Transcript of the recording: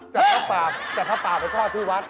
จัดทอดพระป่าไปทอดที่วัด